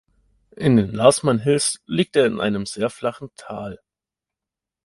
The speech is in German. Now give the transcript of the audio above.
In den Larsemann Hills liegt er in einem sehr flachen Tal.